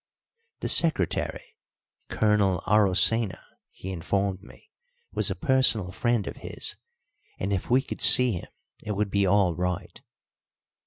The secretary, Colonel Arocena, he informed me, was a personal friend of his, and if we could see him it would be all right.